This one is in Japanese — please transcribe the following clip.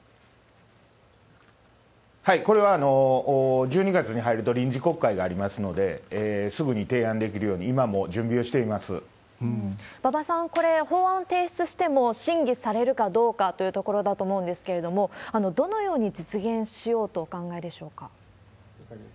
これは１２月に入ると臨時国会がありますので、すぐに提案できるように、今、馬場さん、これ、法案提出しても審議されるかどうかというところだと思うんですけれども、どのように実現しようとお考えでしょうか？